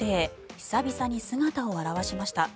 久々に姿を現しました。